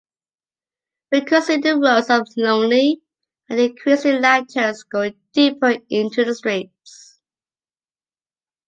We could see the rows of lonely and decreasing lanterns going deeper into the streets.